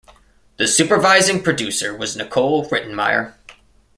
The supervising producer was Nicole Rittenmeyer.